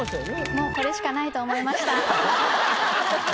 もうこれしかないと思いました。